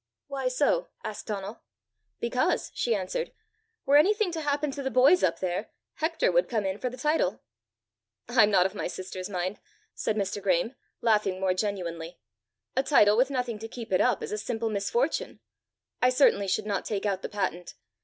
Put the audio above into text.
"Why so?" asked Donal. "Because," she answered, "were anything to happen to the boys up there, Hector would come in for the title." "I'm not of my sister's mind!" said Mr. Graeme, laughing more genuinely. "A title with nothing to keep it up is a simple misfortune. I certainly should not take out the patent.